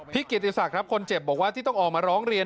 เกียรติศักดิ์ครับคนเจ็บบอกว่าที่ต้องออกมาร้องเรียน